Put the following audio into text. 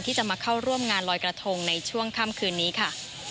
ที่จะมาเข้าร่วมงานลอยกระทงในช่วงค่ำคืนนี้ค่ะ